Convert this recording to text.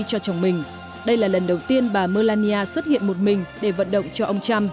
cho chồng mình đây là lần đầu tiên bà malania xuất hiện một mình để vận động cho ông trump